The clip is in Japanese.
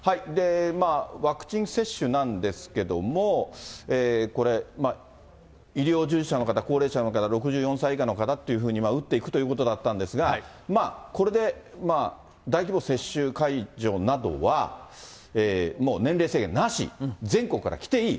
ワクチン接種なんですけども、これ、医療従事者の方、高齢者の方、６４歳以下の方っていうふうに打っていくということだったんですが、これで大規模接種会場などは、もう年齢制限なし、全国から来ていい。